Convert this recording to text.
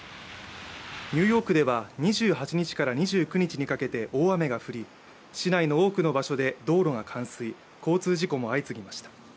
ニューヨークでは２８日から２９日にかけて大雨が降り、市内の多くの場所で道路が冠水、交通事故も相次ぎました。